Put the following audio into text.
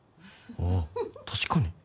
ああ確かに